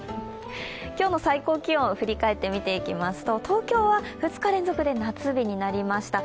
今日の最高気温、振り返って見ていきますと、東京は２日連続で夏日になりました